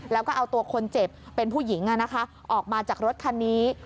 แล้วก็เอาตัวคนเจ็บเป็นผู้หญิงออกมาจากรถคันนี้